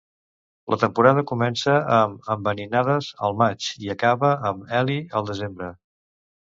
La temporada comença amb "Enveninades" al maig, i acaba amb "Eli" al desembre.